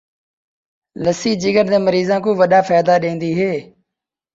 دریا وچ وڑݨا تاں چھن٘ڈکیں توںکیا ݙرݨا